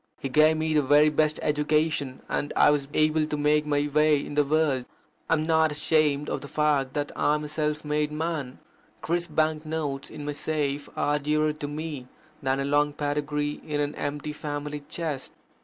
He gave me the very best education, and I was able to make my way in the world. I am not ashamed of the fact that I am a self made man. Crisp bank notes in my safe are dearer to me than a long pedigree in an empty family chest.